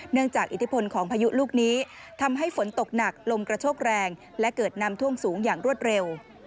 จากอิทธิพลของพายุลูกนี้ทำให้ฝนตกหนักลมกระโชกแรงและเกิดน้ำท่วมสูงอย่างรวดเร็ว